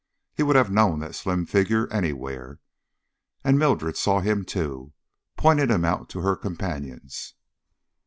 He would have known that slim figure anywhere and Mildred saw him too, pointing him out to her companions.